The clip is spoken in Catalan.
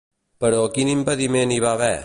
Però quin impediment hi va haver?